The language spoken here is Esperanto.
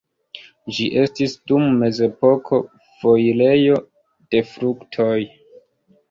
Ĝi estis, dum mezepoko, foirejo de fruktoj.